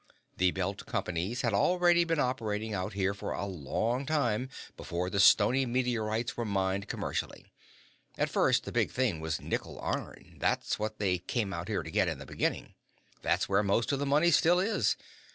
The Belt Companies had already been operating out here for a long time before the stony meteorites were mined commercially. At first, the big thing was nickel iron. That's what they came here to get in the beginning. That's where most of the money still is.